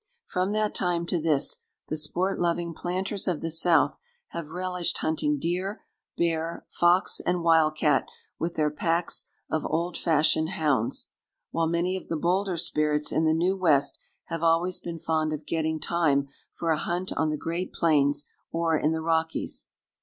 From that time to this the sport loving planters of the South have relished hunting deer, bear, fox, and wildcat with their packs of old fashioned hounds; while many of the bolder spirits in the new West have always been fond of getting time for a hunt on the great plains or in the Rockies.